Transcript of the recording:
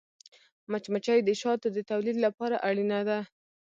مچمچۍ د شاتو د تولید لپاره اړینه ده